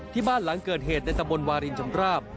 บ้านหลังเกิดเหตุในตะบนวารินชำราบ